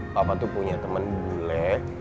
papa tuh punya temen boleh